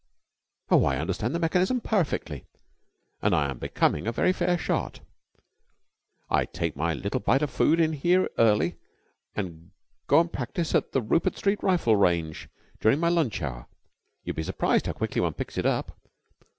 "Oh, I understand the mechanism perfectly, and I am becoming a very fair shot. I take my little bite of food in here early and go and practice at the Rupert Street Rifle Range during my lunch hour. You'd be surprised how quickly one picks it up.